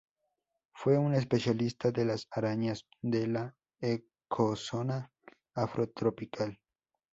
Fue un especialista de las arañas de la Ecozona afrotropical.